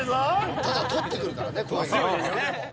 ただ取ってくるからねこういうのは。